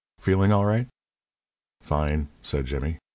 Feeling all right?" "Fine," said Jimmy.